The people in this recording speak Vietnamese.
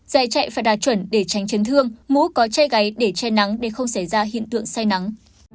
dài chạy phải đa chuẩn để tránh chấn thương mũ có chai gáy để che nắng để không xảy ra hiện tượng say nắng